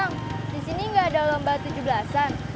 bang disini gak ada lomba tujuh belas an